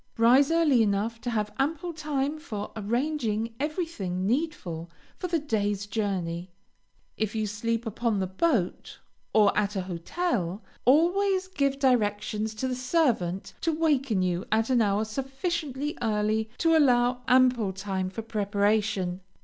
Rise early enough to have ample time for arranging everything needful for the day's journey. If you sleep upon the boat, or at a hotel, always give directions to the servant to waken you at an hour sufficiently early to allow ample time for preparation.